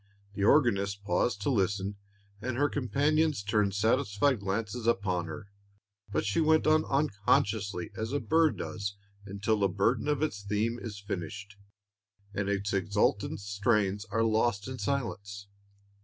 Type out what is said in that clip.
The organist paused to listen, and her companions turned satisfied glances upon her; but she went on unconsciously, as a bird does until the burden of its theme is finished, and its exultant strains are lost in silence.